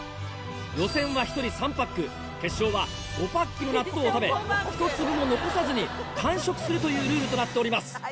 予選は１人３パック決勝は５パックの納豆を食べ１粒も残さずに完食するというルールとなっております。